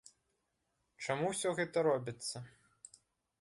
Чаму ўсё гэта робіцца?